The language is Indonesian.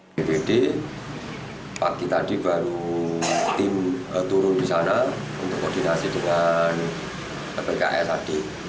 bdt pagi tadi baru tim turun di sana untuk koordinasi dengan bksad